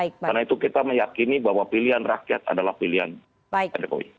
karena itu kita meyakini bahwa pilihan rakyat adalah pilihan pak jokowi